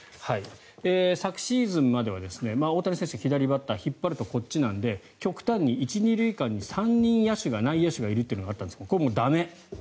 昨シーズンまでは大谷選手は左バッター、引っ張るとこっちなので極端に１・２塁間に３人、内野手がいるということがあったんですがこれもう駄目。